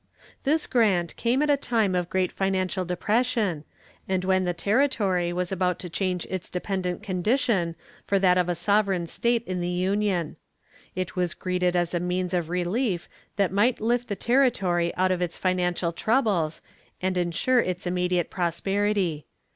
This grant came at a time of great financial depression, and when the territory was about to change its dependent condition for that of a sovereign state in the Union. It was greeted as a means of relief that might lift the territory out of its financial troubles, and insure its immediate prosperity.